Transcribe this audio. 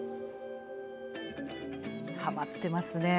はまっていますね。